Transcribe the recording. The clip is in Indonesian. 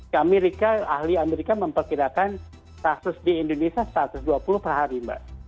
amerika ahli amerika memperkirakan kasus di indonesia satu ratus dua puluh per hari mbak